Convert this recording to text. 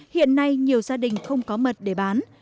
hiện nay nhiều gia đình không có mật để bán